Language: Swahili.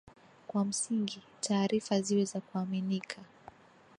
Kwa msingi, taarifa ziwe za kuaminika